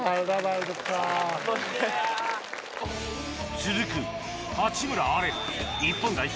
続く八村阿蓮日本代表